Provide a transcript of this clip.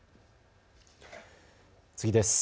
次です。